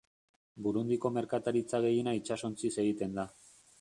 Burundiko merkataritza gehiena itsasontziz egiten da.